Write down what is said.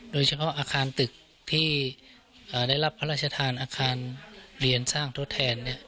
โดยเฉพาะอาคารตึกที่ได้รับพระราชทานอาคารเรียนสร้างทดแทน